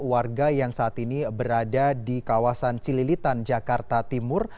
warga yang saat ini berada di kawasan cililitan jakarta timur